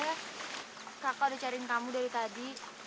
aku akan menunggu kamu